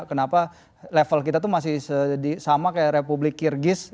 kenapa level kita tuh masih sama kayak republik kirgis